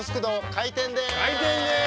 開店です！